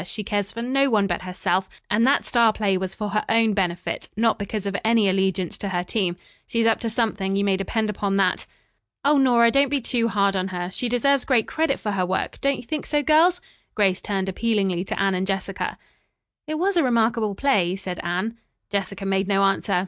She cares for no one but herself, and that star play was for her own benefit, not because of any allegiance to her team. She's up to something, you may depend upon that." "Oh, Nora, don't be too hard on her. She deserves great credit for her work. Don't you think so, girls?" Grace turned appealingly to Anne and Jessica. "It was a remarkable play," said Anne. Jessica made no answer.